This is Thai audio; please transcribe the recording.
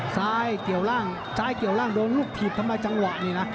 เกี่ยวร่างซ้ายเกี่ยวล่างโดนลูกถีบทำไมจังหวะนี่นะ